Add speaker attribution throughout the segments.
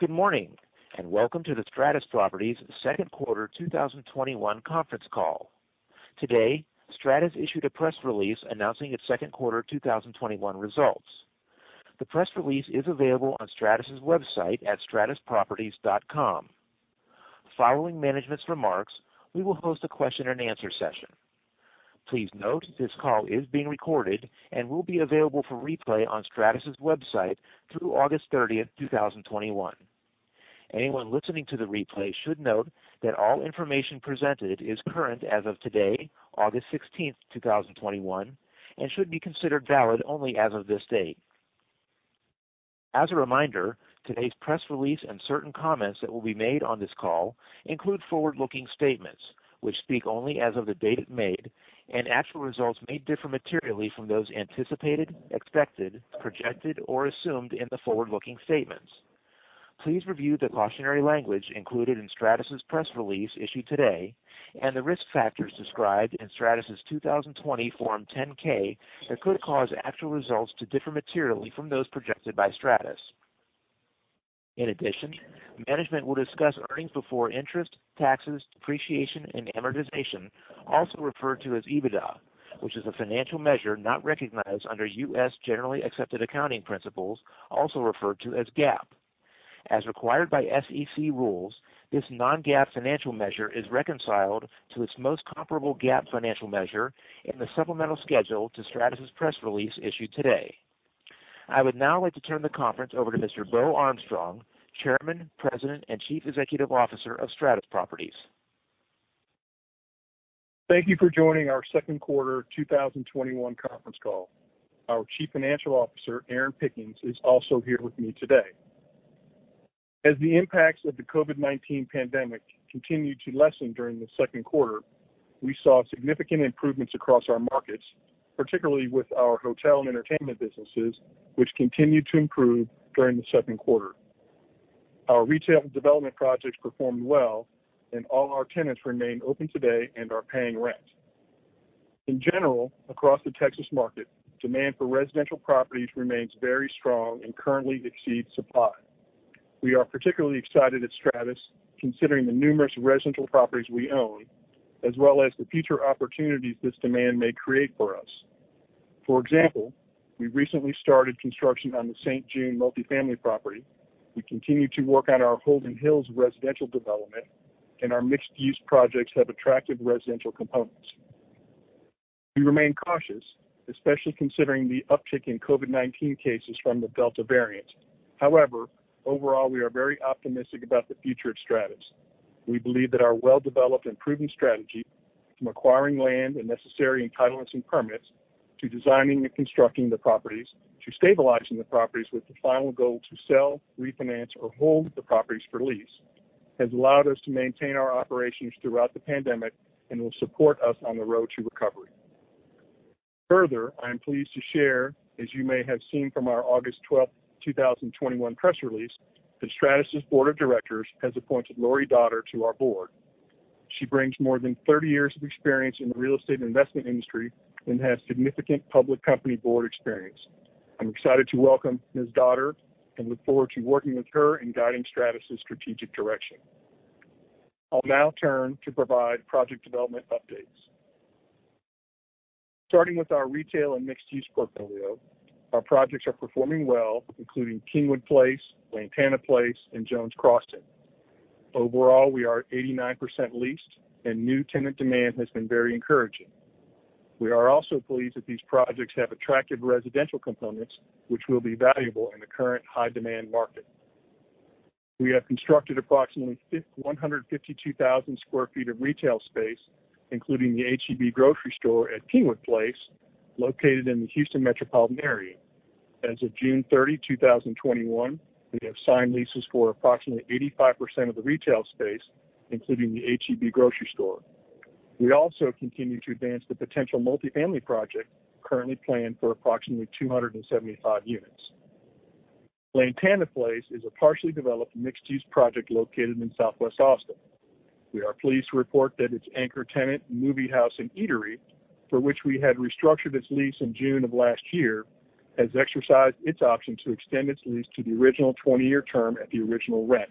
Speaker 1: Good morning, and welcome to the Stratus Properties second quarter 2021 conference call. Today, Stratus issued a press release announcing its second quarter 2021 results. The press release is available on Stratus's website at stratusproperties.com. Following management's remarks, we will host a question and answer session. Please note this call is being recorded and will be available for replay on Stratus's website through August 30th, 2021. Anyone listening to the replay should note that all information presented is current as of today, August 16th, 2021, and should be considered valid only as of this date. As a reminder, today's press release and certain comments that will be made on this call include forward-looking statements which speak only as of the date it's made, and actual results may differ materially from those anticipated, expected, projected, or assumed in the forward-looking statements. Please review the cautionary language included in Stratus's press release issued today and the risk factors described in Stratus's 2020 Form 10-K that could cause actual results to differ materially from those projected by Stratus. In addition, management will discuss earnings before interest, taxes, depreciation, and amortization, also referred to as EBITDA, which is a financial measure not recognized under U.S. generally accepted accounting principles, also referred to as GAAP. As required by SEC rules, this non-GAAP financial measure is reconciled to its most comparable GAAP financial measure in the supplemental schedule to Stratus's press release issued today. I would now like to turn the conference over to Mr. Beau Armstrong, Chairman, President, and Chief Executive Officer of Stratus Properties.
Speaker 2: Thank you for joining our second quarter 2021 conference call. Our Chief Financial Officer, Erin Pickens, is also here with me today. As the impacts of the COVID-19 pandemic continued to lessen during the second quarter, we saw significant improvements across our markets, particularly with our hotel and entertainment businesses, which continued to improve during the second quarter. Our retail development projects performed well, and all our tenants remain open today and are paying rent. In general, across the Texas market, demand for residential properties remains very strong and currently exceeds supply. We are particularly excited at Stratus, considering the numerous residential properties we own, as well as the future opportunities this demand may create for us. For example, we recently started construction on the St. June multifamily property. We continue to work on our Holden Hills residential development, and our mixed-use projects have attractive residential components. We remain cautious, especially considering the uptick in COVID-19 cases from the Delta variant. Overall, we are very optimistic about the future of Stratus. We believe that our well-developed and proven strategy, from acquiring land and necessary entitlements and permits, to designing and constructing the properties, to stabilizing the properties with the final goal to sell, refinance, or hold the properties for lease, has allowed us to maintain our operations throughout the pandemic and will support us on the road to recovery. I am pleased to share, as you may have seen from our August 12th, 2021, press release, that Stratus' board of directors has appointed Laurie Dotter to our board. She brings more than 30 years of experience in the real estate investment industry and has significant public company board experience. I'm excited to welcome Ms. Dotter and look forward to working with her in guiding Stratus' strategic direction. I'll now turn to provide project development updates. Starting with our retail and mixed-use portfolio, our projects are performing well, including Kingwood Place, Lantana Place, and Jones Crossing. Overall, we are 89% leased, and new tenant demand has been very encouraging. We are also pleased that these projects have attractive residential components, which will be valuable in the current high-demand market. We have constructed approximately 152,000 sq ft of retail space, including the H-E-B grocery store at Kingwood Place, located in the Houston metropolitan area. As of June 30, 2021, we have signed leases for approximately 85% of the retail space, including the H-E-B grocery store. We also continue to advance the potential multifamily project currently planned for approximately 275 units. Lantana Place is a partially developed mixed-use project located in Southwest Austin. We are pleased to report that its anchor tenant, Moviehouse & Eatery, for which we had restructured its lease in June of last year, has exercised its option to extend its lease to the original 20-year term at the original rent.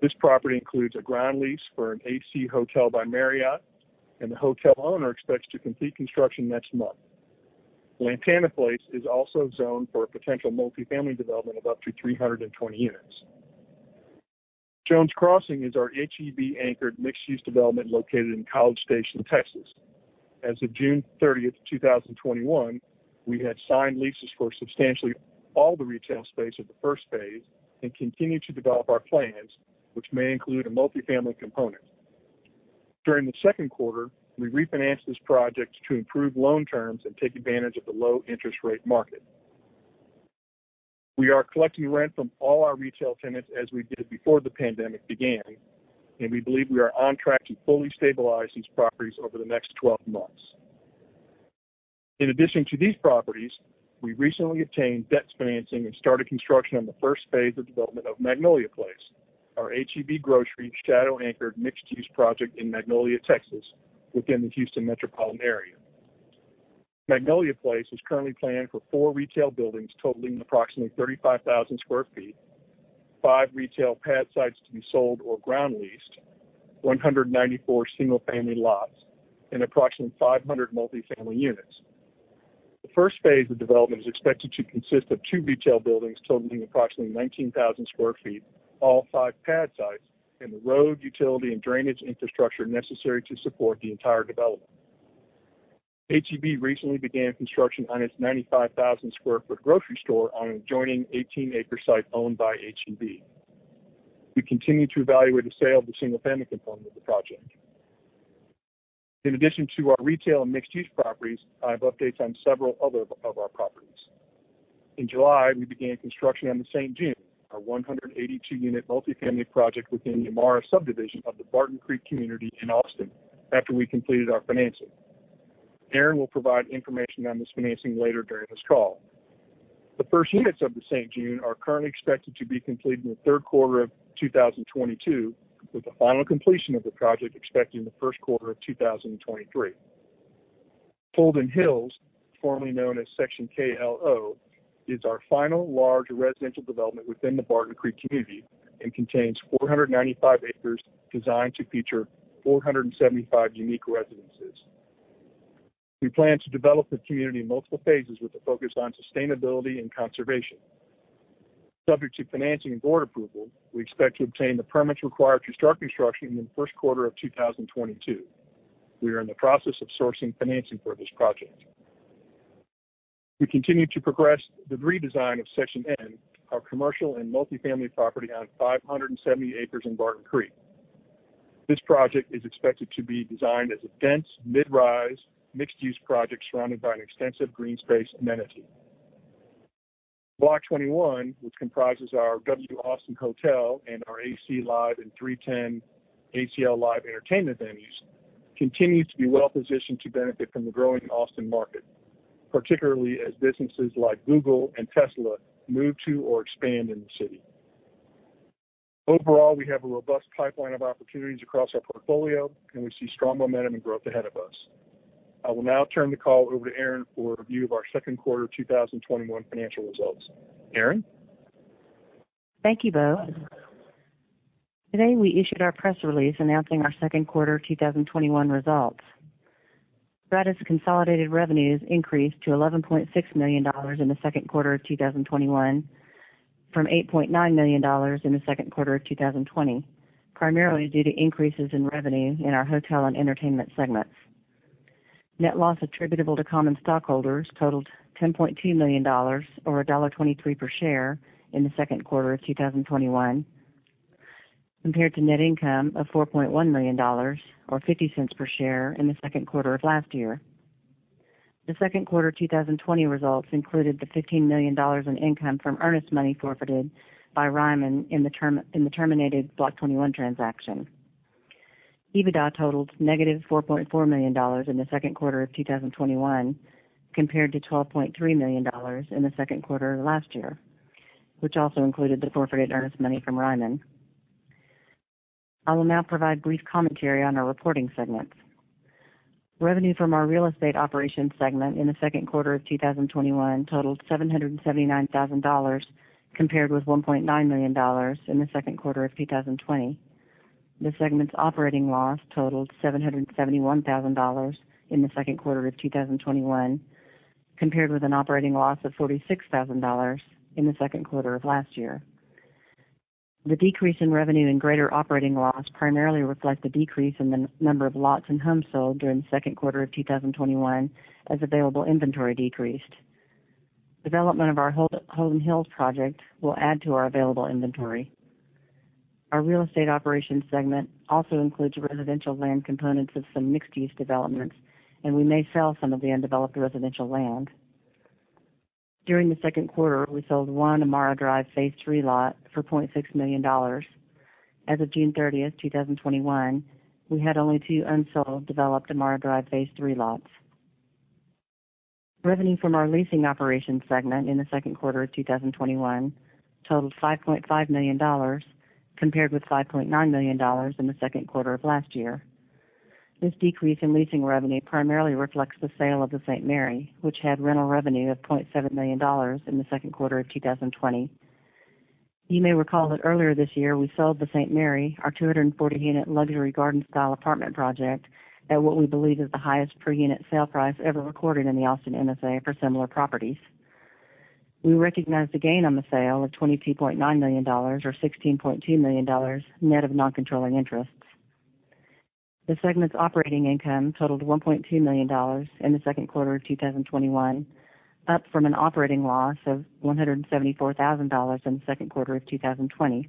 Speaker 2: This property includes a ground lease for an AC Hotel by Marriott, and the hotel owner expects to complete construction next month. Lantana Place is also zoned for a potential multifamily development of up to 320 units. Jones Crossing is our H-E-B anchored mixed-use development located in College Station, Texas. As of June 30th, 2021, we had signed leases for substantially all the retail space of the first phase and continue to develop our plans, which may include a multifamily component. During the second quarter, we refinanced this project to improve loan terms and take advantage of the low interest rate market. We are collecting rent from all our retail tenants as we did before the pandemic began, and we believe we are on track to fully stabilize these properties over the next 12 months. In addition to these properties, we recently obtained debt financing and started construction on the first phase of development of Magnolia Place, our H-E-B Grocery shadow anchored mixed-use project in Magnolia, Texas, within the Houston metropolitan area. Magnolia Place is currently planned for 4 retail buildings totaling approximately 35,000 sq ft, 5 retail pad sites to be sold or ground leased, 194 single-family lots, and approximately 500 multi-family units. The first phase of development is expected to consist of two retail buildings totaling approximately 19,000 sq ft all five pad sites, and the road, utility, and drainage infrastructure necessary to support the entire development. H-E-B recently began construction on its 95,000 sq ft grocery store on an adjoining 18-acre site owned by H-E-B. We continue to evaluate the sale of the single-family component of the project. In addition to our retail and mixed-use properties, I have updates on several other of our properties. In July, we began construction on The Saint June, our 182-unit multi-family project within the Amarra subdivision of the Barton Creek community in Austin after we completed our financing. Erin will provide information on this financing later during this call. The first units of The Saint June are currently expected to be completed in the third quarter of 2022, with the final completion of the project expected in the first quarter of 2023. Holden Hills, formerly known as Section KLO, is our final large residential development within the Barton Creek community and contains 495 acres designed to feature 475 unique residences. We plan to develop the community in multiple phases with a focus on sustainability and conservation. Subject to financing and board approval, we expect to obtain the permits required to start construction in the first quarter of 2022. We are in the process of sourcing financing for this project. We continue to progress the redesign of Section N, our commercial and multi-family property on 570 acres in Barton Creek. This project is expected to be designed as a dense mid-rise, mixed-use project surrounded by an extensive green space amenity. Block 21, which comprises our W Austin Hotel and our ACL Live and 3TEN ACL Live entertainment venues, continues to be well-positioned to benefit from the growing Austin market, particularly as businesses like Google and Tesla move to or expand in the city. Overall, we have a robust pipeline of opportunities across our portfolio, and we see strong momentum and growth ahead of us. I will now turn the call over to Erin for a review of our second quarter 2021 financial results. Erin?
Speaker 3: Thank you, Beau. Today, we issued our press release announcing our second quarter 2021 results. Stratus consolidated revenues increased to $11.6 million in the second quarter of 2021 from $8.9 million in the second quarter of 2020, primarily due to increases in revenue in our hotel and entertainment segments. Net loss attributable to common stockholders totaled $10.2 million or $1.23 per share in the second quarter of 2021, compared to net income of $4.1 million or $0.50 per share in the second quarter of last year. The second quarter 2020 results included the $15 million in income from earnest money forfeited by Ryman in the terminated Block 21 transaction. EBITDA totaled $-4.4 million in the second quarter of 2021 compared to $12.3 million in the second quarter of last year, which also included the forfeited earnest money from Ryman. I will now provide brief commentary on our reporting segments. Revenue from our real estate operations segment in the second quarter of 2021 totaled $779,000, compared with $1.9 million in the second quarter of 2020. The segment's operating loss totaled $771,000 in the second quarter of 2021, compared with an operating loss of $46,000 in the second quarter of last year. The decrease in revenue and greater operating loss primarily reflect the decrease in the number of lots and homes sold during the second quarter of 2021 as available inventory decreased. Development of our Holden Hills project will add to our available inventory. Our real estate operations segment also includes residential land components of some mixed-use developments, and we may sell some of the undeveloped residential land. During the second quarter, we sold 1 Amara Drive phase three lot for $0.6 million. As of June 30th, 2021, we had only two unsold developed Amara Drive phase III lots. Revenue from our leasing operations segment in the second quarter of 2021 totaled $5.5 million, compared with $5.9 million in the second quarter of last year. This decrease in leasing revenue primarily reflects the sale of The Saint Mary, which had rental revenue of $0.7 million in the second quarter of 2020. You may recall that earlier this year, we sold The Saint Mary, our 240-unit luxury garden-style apartment project, at what we believe is the highest per-unit sale price ever recorded in the Austin MSA for similar properties. We recognized a gain on the sale of $22.9 million or $16.2 million net of non-controlling interests. The segment's operating income totaled $1.2 million in the second quarter of 2021, up from an operating loss of $174,000 in the second quarter of 2020.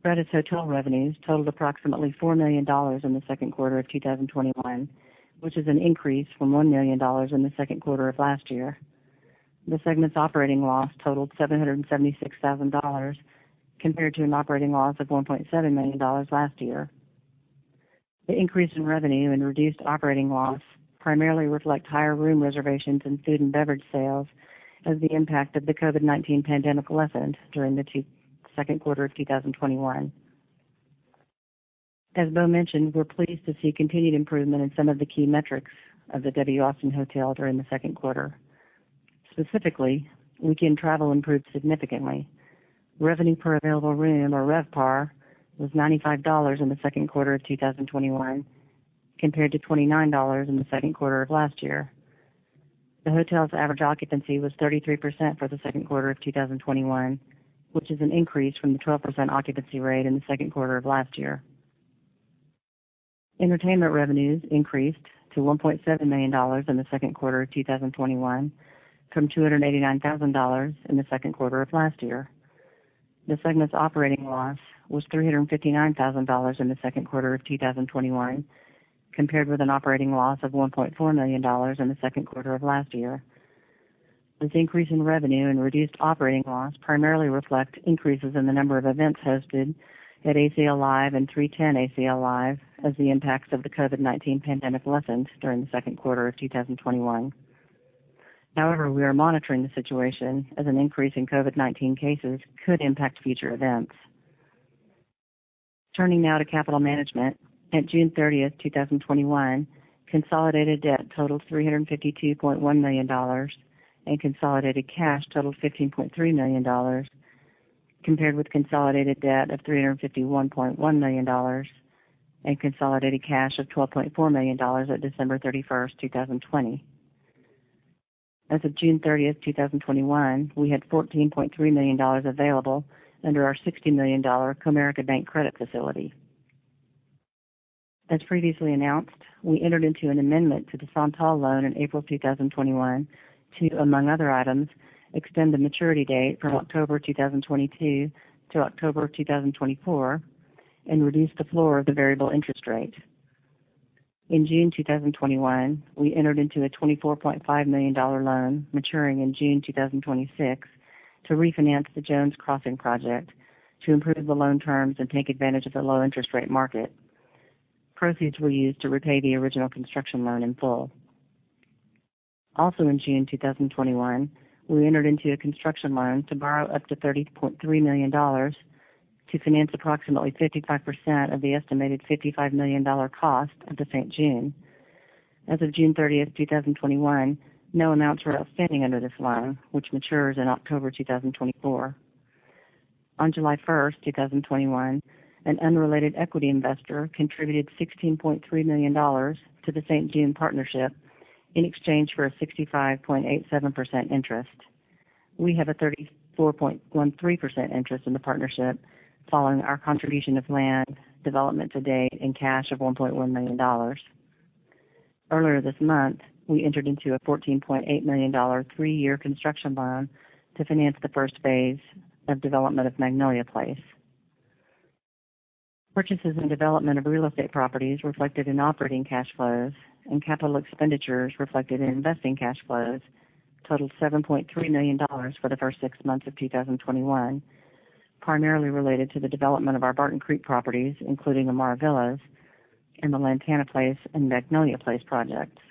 Speaker 3: Stratus hotel revenues totaled approximately $4 million in the second quarter of 2021, which is an increase from $1 million in the second quarter of last year. The segment's operating loss totaled $776,000 compared to an operating loss of $1.7 million last year. The increase in revenue and reduced operating loss primarily reflect higher room reservations and food and beverage sales as the impact of the COVID-19 pandemic lessened during the second quarter of 2021. As Beau mentioned, we're pleased to see continued improvement in some of the key metrics of the W Austin Hotel during the second quarter. Specifically, weekend travel improved significantly. Revenue per available room, or RevPAR, was $95 in the second quarter of 2021, compared to $29 in the second quarter of last year. The hotel's average occupancy was 33% for the second quarter of 2021, which is an increase from the 12% occupancy rate in the second quarter of last year. Entertainment revenues increased to $1.7 million in the second quarter of 2021 from $289,000 in the second quarter of last year. The segment's operating loss was $359,000 in the second quarter of 2021, compared with an operating loss of $1.4 million in the second quarter of last year. This increase in revenue and reduced operating loss primarily reflect increases in the number of events hosted at ACL Live and 3TEN ACL Live as the impacts of the COVID-19 pandemic lessened during the second quarter of 2021. We are monitoring the situation as an increase in COVID-19 cases could impact future events. Turning now to capital management. At June 30th, 2021, consolidated debt totaled $352.1 million, and consolidated cash totaled $15.3 million, compared with consolidated debt of $351.1 million and consolidated cash of $12.4 million at December 31st, 2020. As of June 30th, 2021, we had $14.3 million available under our $60 million Comerica Bank credit facility. As previously announced, we entered into an amendment to The Santal loan in April 2021 to, among other items, extend the maturity date from October 2022 to October 2024 and reduce the floor of the variable interest rate. In June 2021, we entered into a $24.5 million loan maturing in June 2026 to refinance the Jones Crossing project to improve the loan terms and take advantage of the low interest rate market. Proceeds were used to repay the original construction loan in full. Also in June 2021, we entered into a construction loan to borrow up to $30.3 million to finance approximately 55% of the estimated $55 million cost of The Saint June. As of June 30th, 2021, no amounts were outstanding under this loan, which matures in October 2024. On July 1st, 2021, an unrelated equity investor contributed $16.3 million to The Saint June partnership in exchange for a 65.87% interest. We have a 34.13% interest in the partnership following our contribution of land, development to date, and cash of $1.1 million. Earlier this month, we entered into a $14.8 million three-year construction loan to finance the first phase of development of Magnolia Place. Purchases and development of real estate properties reflected in operating cash flows and capital expenditures reflected in investing cash flows totaled $7.3 million for the first six months of 2021, primarily related to the development of our Barton Creek properties, including Amara Villas and the Lantana Place and Magnolia Place projects.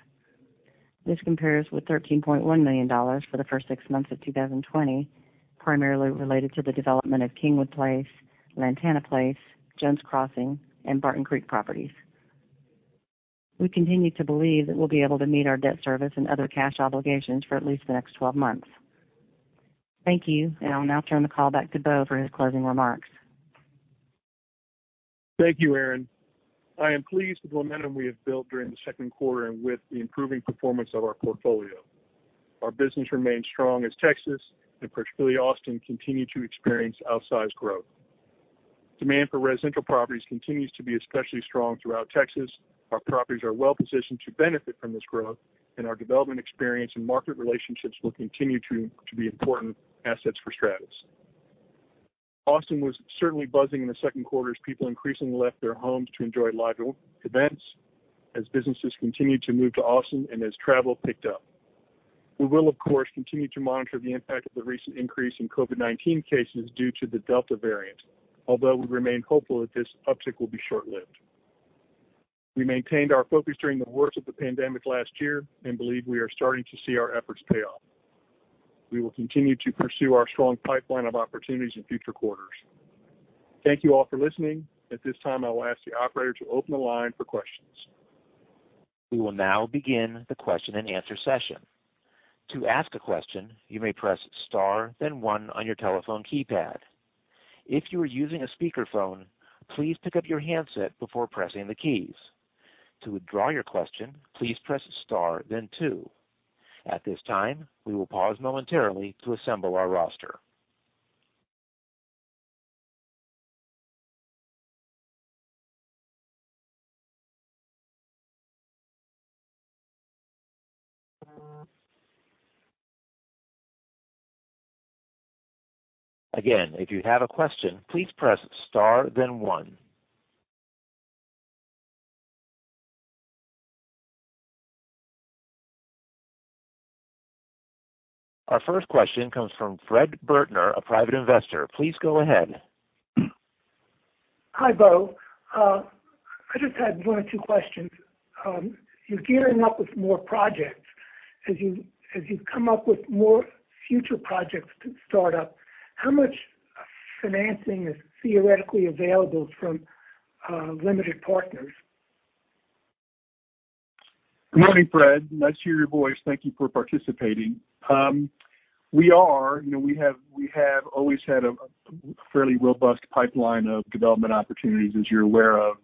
Speaker 3: This compares with $13.1 million for the first six months of 2020, primarily related to the development of Kingwood Place, Lantana Place, Jones Crossing, and Barton Creek properties. We continue to believe that we'll be able to meet our debt service and other cash obligations for at least the next 12 months. Thank you, and I'll now turn the call back to Beau for his closing remarks.
Speaker 2: Thank you, Erin. I am pleased with the momentum we have built during the second quarter and with the improving performance of our portfolio. Our business remains strong as Texas, and particularly Austin, continue to experience outsized growth. Demand for residential properties continues to be especially strong throughout Texas. Our properties are well-positioned to benefit from this growth, and our development experience and market relationships will continue to be important assets for Stratus. Austin was certainly buzzing in the second quarter as people increasingly left their homes to enjoy live events, as businesses continued to move to Austin, and as travel picked up. We will, of course, continue to monitor the impact of the recent increase in COVID-19 cases due to the Delta variant. Although we remain hopeful that this uptick will be short-lived. We maintained our focus during the worst of the pandemic last year and believe we are starting to see our efforts pay off. We will continue to pursue our strong pipeline of opportunities in future quarters. Thank you all for listening. At this time, I will ask the operator to open the line for questions.
Speaker 1: We will now begin the question-and-answer session. To ask a question, you may press star then one on your telephone keypad. If you are using a speakerphone, please pick up your handset before pressing the keys. To withdraw your question, please press star then two. At this time, we will pause momentarily to assemble our roster. Again, if you have a question, please press star then one. Our first question comes from Fred Bertner, a private investor. Please go ahead.
Speaker 4: Hi, Beau. I just had one or two questions. As you come up with more future projects to start up, how much financing is theoretically available from limited partners?
Speaker 2: Good morning, Fred. Nice to hear your voice. Thank you for participating. We have always had a fairly robust pipeline of development opportunities, as you're aware of.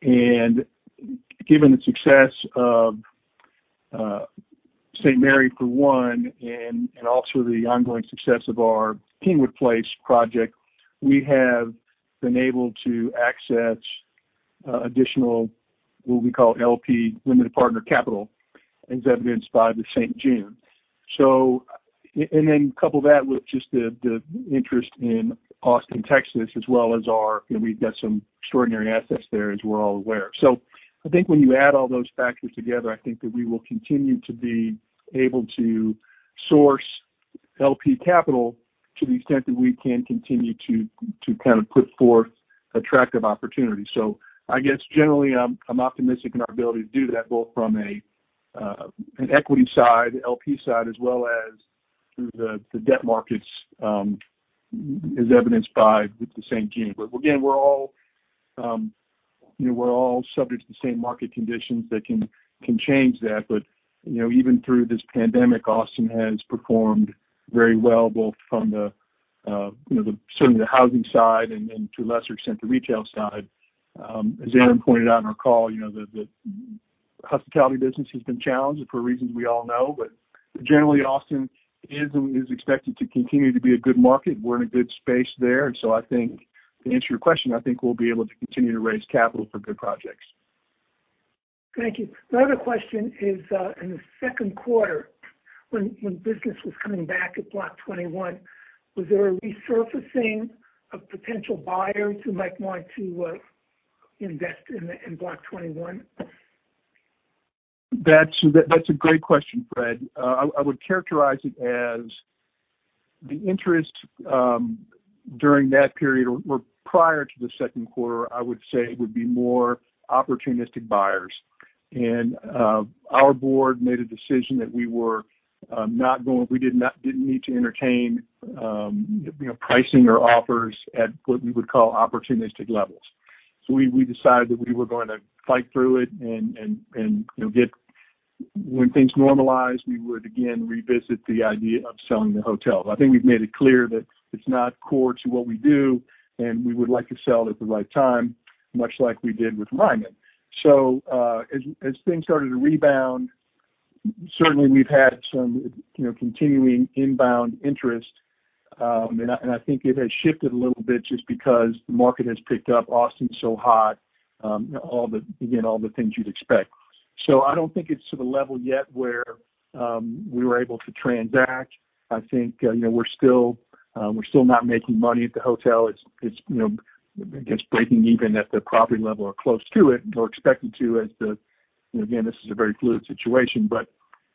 Speaker 2: Given the success of The Saint Mary for one, and also the ongoing success of our Kingwood Place project, we have been able to access additional, what we call LP, limited partner capital, as evidenced by The Saint June. Couple that with just the interest in Austin, Texas as well as our we've got some extraordinary assets there as we're all aware. I think when you add all those factors together, I think that we will continue to be able to source LP capital to the extent that we can continue to put forth attractive opportunities. I guess generally, I'm optimistic in our ability to do that, both from an equity side, LP side, as well as through the debt markets, as evidenced by with The Saint June. Again, we're all subject to the same market conditions that can change that. Even through this pandemic, Austin has performed very well, both from the, certainly the housing side and to a lesser extent, the retail side. As Erin pointed out on our call, the hospitality business has been challenged for reasons we all know, but generally, Austin is expected to continue to be a good market. We're in a good space there. I think to answer your question, I think we'll be able to continue to raise capital for good projects.
Speaker 4: Thank you. My other question is, in the second quarter, when business was coming back at Block 21, was there a resurfacing of potential buyers who might want to invest in Block 21?
Speaker 2: That's a great question, Fred. I would characterize it as the interest during that period or prior to the second quarter, I would say would be more opportunistic buyers. Our board made a decision that we didn't need to entertain pricing or offers at what we would call opportunistic levels. We decided that we were going to fight through it and when things normalize, we would again revisit the idea of selling the hotel. I think we've made it clear that it's not core to what we do, and we would like to sell at the right time, much like we did with Ryman. As things started to rebound, certainly we've had some continuing inbound interest. I think it has shifted a little bit just because the market has picked up, Austin's so hot, again, all the things you'd expect. I don't think it's to the level yet where we were able to transact. I think we're still not making money at the hotel. It's just breaking even at the property level or close to it or expecting to as the, again, this is a very fluid situation, but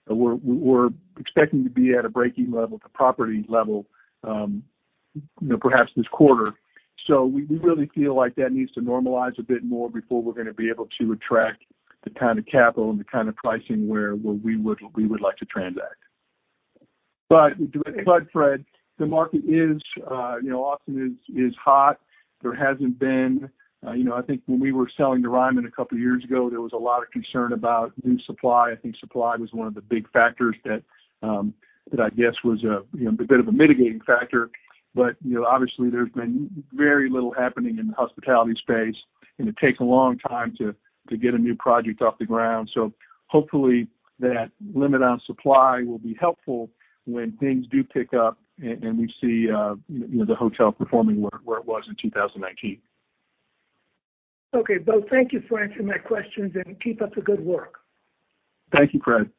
Speaker 2: we're expecting to be at a break-even level at the property level perhaps this quarter. We really feel like that needs to normalize a bit more before we're going to be able to attract the kind of capital and the kind of pricing where we would like to transact. Fred, the market is, Austin is hot. There hasn't been I think when we were selling the Ryman a couple of years ago, there was a lot of concern about new supply. I think supply was one of the big factors that I guess was a bit of a mitigating factor. Obviously there's been very little happening in the hospitality space, and it takes a long time to get a new project off the ground. Hopefully that limit on supply will be helpful when things do pick up and we see the hotel performing where it was in 2019.
Speaker 4: Okay, Beau, thank you for answering my questions and keep up the good work.
Speaker 2: Thank you, Fred.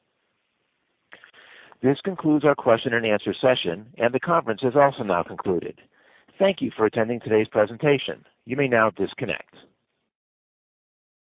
Speaker 1: This concludes our question-and-answer session. The conference has also now concluded. Thank you for attending today's presentation. You may now disconnect.